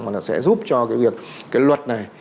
mà nó sẽ giúp cho cái việc cái luật này